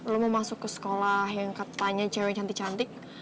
lo mau masuk ke sekolah yang katanya cewek cantik cantik